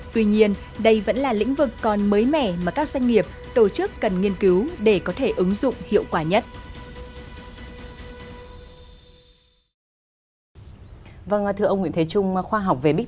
tuy nhiên đây vẫn là lĩnh vực còn mới mẻ mà các doanh nghiệp